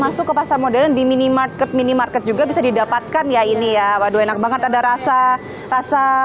masuk ke pasar modern di minimarket minimarket juga bisa didapatkan ya ini ya waduh enak banget ada rasa rasa